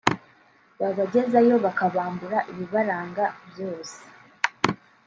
babagezayo bakabambura ibibaranga byose